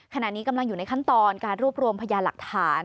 ขณะนี้กำลังอยู่ในขั้นตอนการรวบรวมพยาหลักฐาน